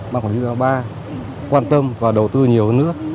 ba quan tâm và đầu tư nhiều hơn nữa